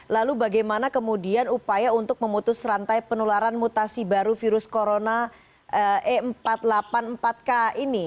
lalu bagaimana kemudian upaya untuk memutus rantai penularan mutasi baru virus corona e empat ratus delapan puluh empat k ini